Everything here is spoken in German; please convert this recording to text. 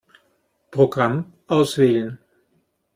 Programm auswählen.